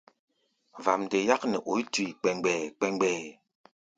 Vamde yák nɛ oí tui kpɛɛmgbɛɛ-kpɛɛmgbɛɛ.